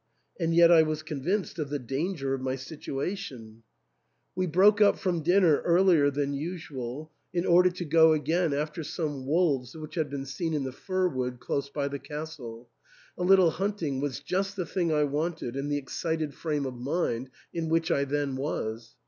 And yet I was convinced of the danger of my situation. THE ENTAIL. 251 We broke tip from dinner earlier than usual, in order to go again after some wolves which had been seen in the fir wood close by the castle. A little hunting was just the thing I wanted in the excited frame of mind in which I then was.